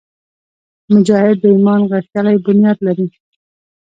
مجاهد د ایمان غښتلی بنیاد لري.